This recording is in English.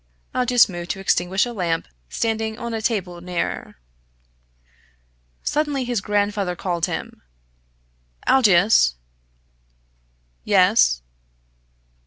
Aldous moved to extinguish a lamp standing on a table near. Suddenly his grandfather called him. "Aldous!" "Yes."